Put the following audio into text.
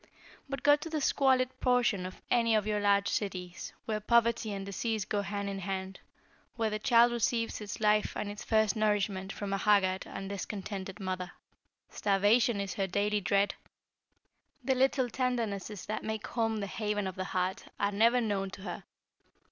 But go to the squalid portion of any of your large cities, where Poverty and Disease go hand in hand, where the child receives its life and its first nourishment from a haggard and discontented mother. Starvation is her daily dread. The little tendernesses that make home the haven of the heart, are never known to her.